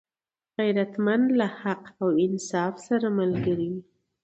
غیرتمند له حق او انصاف سره ملګری وي